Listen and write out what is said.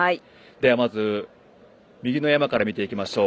まず、右の山から見ていきましょう。